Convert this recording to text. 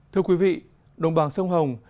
thưa quý vị đồng bào sông hồng